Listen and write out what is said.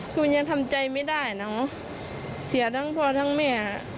คือมันยังทำใจไม่ได้เนอะเสียทั้งพ่อทั้งแม่